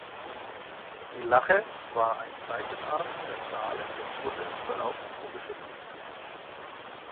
Die Lache war ein Seitenarm der Saale und wurde im Verlauf zugeschüttet.